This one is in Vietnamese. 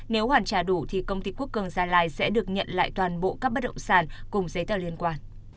nếu hoàn trả đủ thì công ty quốc cường gia lai sẽ được nhận lại toàn bộ các bất động sản cùng giấy tờ liên quan